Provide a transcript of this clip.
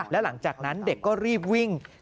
แล้วหลังจากนั้นเด็กก็รีบวิ่ง